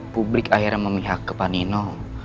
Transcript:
publik akhirnya memihak ke panino